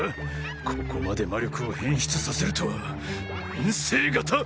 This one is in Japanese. ここまで魔力を変質させるとは変性型！？